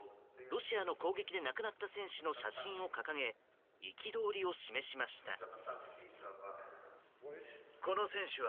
ロシアの攻撃で亡くなった選手の写真を掲げ憤りを示しました。